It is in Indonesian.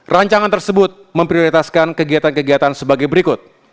rancangan tersebut memprioritaskan kegiatan kegiatan sebagai berikut